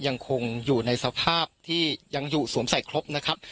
ยังคงอยู่ในสภาพที่ยังอยู่สวมใส่ครบนะครับ